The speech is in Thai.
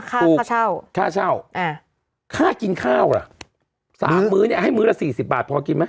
ค่าเช่าค่าเช่าอ่าค่ากินข้าวล่ะสามมื้อเนี่ยให้มื้อละสี่สิบบาทพอกินไหม